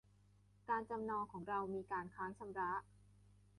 การจำนองของเรามีการค้างชำระ